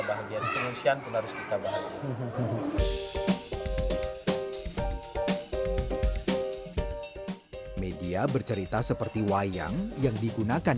bahagia pengungsian pun harus kita bahagia media bercerita seperti wayang yang digunakan